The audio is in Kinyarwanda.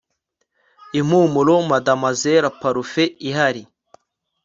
Impumuro Mademoiselle parufe ihari